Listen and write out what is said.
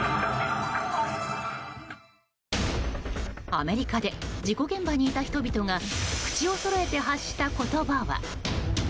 アメリカで事故現場にいた人々が口をそろえて発した言葉は。